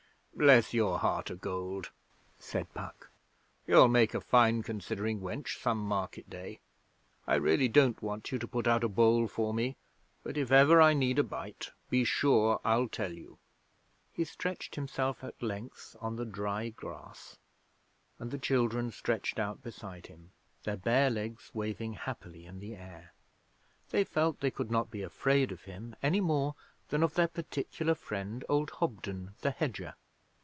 'Bless your heart o' gold!' said Puck. 'You'll make a fine considering wench some market day. I really don't want you to put out a bowl for me; but if ever I need a bite, be sure I'll tell you.' He stretched himself at length on the dry grass, and the children stretched out beside him, their bare legs waving happily in the air. They felt they could not be afraid of him any more than of their particular friend old Hobden the hedger.